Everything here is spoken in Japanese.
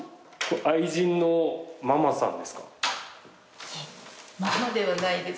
あっママさんではない？